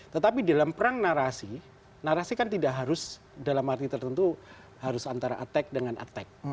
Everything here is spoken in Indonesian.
tetapi dalam perang narasi narasi kan tidak harus dalam arti tertentu harus antara attack dengan attack